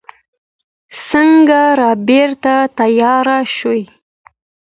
څنګه رېبارۍ ته تيار شوې.